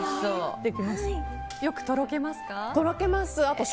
よくとろけますか？